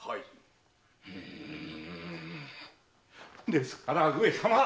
ですから上様！